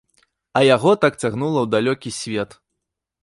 А яго так цягнула ў далёкі свет.